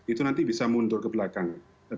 itu nanti bisa mundur ke belakang